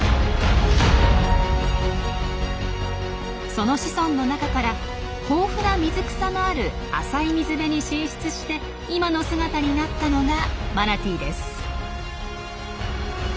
その子孫の中から豊富な水草のある浅い水辺に進出して今の姿になったのがマナティーです。